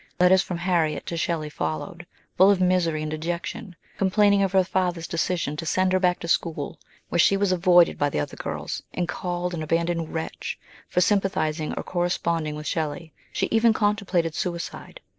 Letters from Harriet to Shelley followed, full of misery and dejection, complaining of her father's decision to send her back to school, where she was avoided by the other girls, and called "an abandoned wretch" for sym 48 MRS. SHELLEY. pathising or corresponding with Shelley ; she even contemplated suicide.